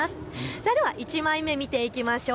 それでは１枚目見ていきましょう。